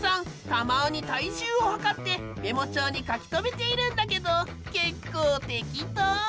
たまに体重をはかってメモ帳に書き留めているんだけど結構適当。